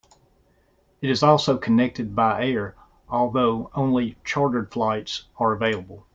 It is also connected by air, although only chartered flights are available.